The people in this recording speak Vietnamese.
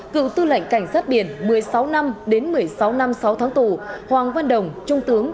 cựu tư lệnh cảnh sát biển một mươi sáu năm đến một mươi sáu năm sáu tháng tù hoàng văn đồng trung tướng